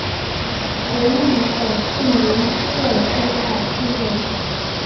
直隶省庆云县中马村人。